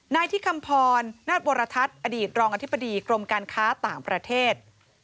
นายที่คำพรนาศวรทัศน์อดีตรองอธิบดีกรมการค้าต่างประเทศ